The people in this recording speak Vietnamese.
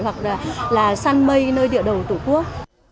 hoặc là săn mây nơi địa đầu tổ quốc